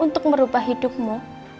untuk merubah hidupmu